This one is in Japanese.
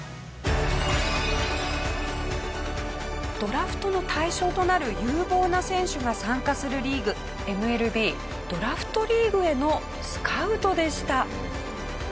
ドラフトの対象となる有望な選手が参加するリーグＭＬＢドラフト・リーグへのスカウトでした。